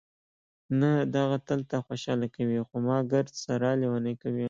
نه، دغه تل تا خوشحاله کوي، خو ما ګردسره لېونۍ کوي.